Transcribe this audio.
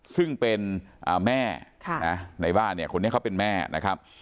ซึ่งเป็นแม่ในบ้านเนี่ยคนนี้เขาเป็นแม่นะครับ